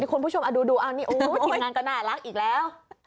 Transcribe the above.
คุณผู้ชมดูอันนี้อุ๊ยจิงงานก็น่ารักอีกแล้ว